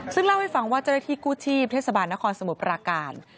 ซึ่งเล่าให้ฟังว่าเจ้าหน้าที่กู้ชีพเทศบาลนครสมุทรปราการ